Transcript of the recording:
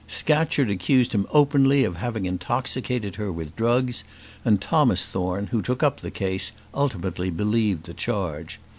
Scatcherd accused him openly of having intoxicated her with drugs; and Thomas Thorne, who took up the case, ultimately believed the charge.